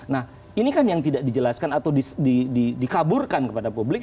nah ini kan yang tidak dijelaskan atau dikaburkan kepada publik